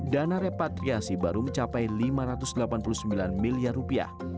dana repatriasi baru mencapai lima ratus delapan puluh sembilan miliar rupiah